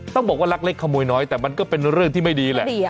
ต้องบอกว่ารักเล็กขโมยน้อยแต่มันก็เป็นเรื่องที่ไม่ดีแหละ